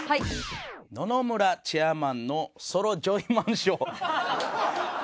野々村チェアマンのソロジョイマンショー。